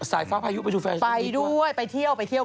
สายฟ้าพายุไปดูแฟชั่นดีกว่ะไปด้วยไปเที่ยว